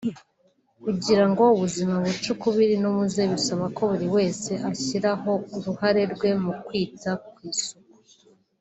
Kugira ngo ubuzima buce ukubiri n'umuze bisaba ko buri wese ashyiraho uruhare rwe mu kwita ku isuku